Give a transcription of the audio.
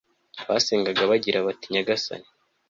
basengaga bagira bati nyagasani